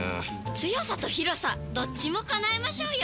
強さと広さどっちも叶えましょうよ！